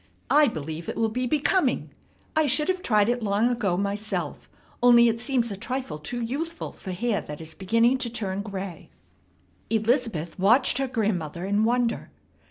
I believe it will be becoming. I should have tried it long ago myself; only it seems a trifle too youthful for hair that is beginning to turn gray." Elizabeth watched her grandmother in wonder.